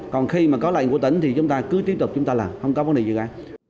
còn khi mà có lệnh của tỉnh thì chúng ta cứ tiếp tục chúng ta làm không có vấn đề gì cả